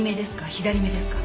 左目ですか？